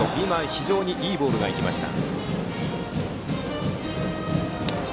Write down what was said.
非常にいいボールが行きました。